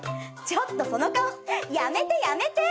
ちょっとその顔やめてやめて。